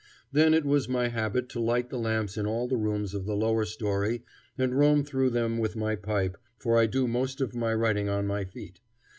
Then it was my habit to light the lamps in all the rooms of the lower story and roam through them with my pipe, for I do most of my writing on my feet.